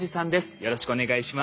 よろしくお願いします。